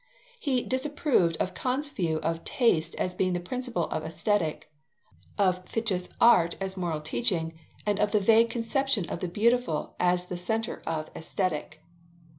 He disapproved of Kant's view of taste as being the principle of Aesthetic, of Fichte's art as moral teaching, and of the vague conception of the beautiful as the centre of Aesthetic.